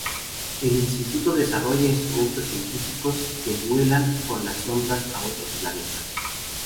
El Instituto desarrolla instrumentos científicos que vuelan con las sondas a otros planetas.